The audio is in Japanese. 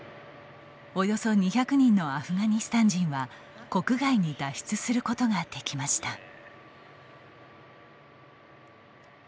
およそ２００人のアフガニスタン人は国外に脱出することができました。